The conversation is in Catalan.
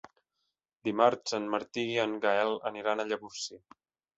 Dimarts en Martí i en Gaël aniran a Llavorsí.